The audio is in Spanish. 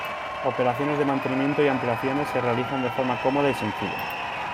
Operaciones de mantenimiento y ampliaciones se realizan de forma cómoda y sencilla.